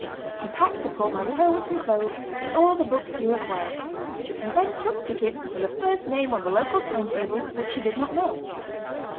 He packed a portmanteau with some clothes and all the books he required, and then took ticket for the first name on the local time table which he did not know.